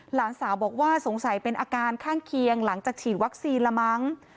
หลานสาวบอกว่าสงสัยเป็นอาการข้างเคียงหลังจากฉีดวัคซีนละมั้ง